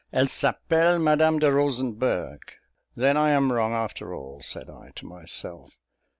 "Elle s'appelle Madame de Rosenberg." "Then I am wrong, after all," said I to myself.